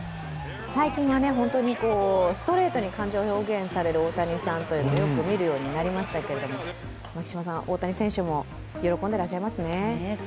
最近はストレートに感情を表現される大谷さんをよく見るようになりましたけれども大谷選手も喜んでいらっしゃいますね。